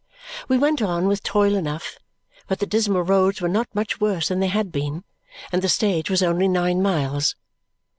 We went on with toil enough, but the dismal roads were not much worse than they had been, and the stage was only nine miles.